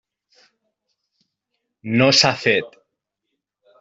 No s'ha fet.